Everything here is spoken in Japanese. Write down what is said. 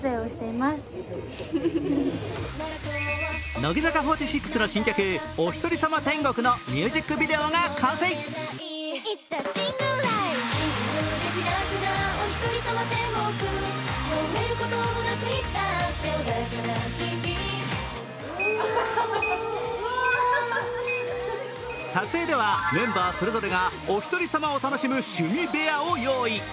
乃木坂４６の新曲「おひとりさま天国」のミュージックビデオが完成撮影ではメンバーそれぞれがおひとりさまを楽しむ趣味部屋を用意。